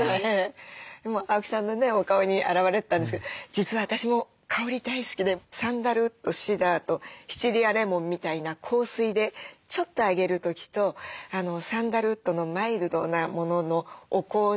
今青木さんのねお顔に表れてたんですけど実は私も香り大好きでサンダルウッドシダーとシチリアレモンみたいな香水でちょっと上げる時とサンダルウッドのマイルドなもののお香で鎮静させる時と。